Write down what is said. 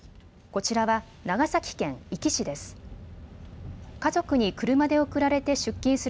こちらは長崎県壱岐市です。